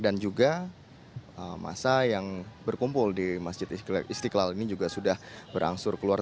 dan juga masa yang berkumpul di masjid istiqlal ini juga sudah berangsur keluar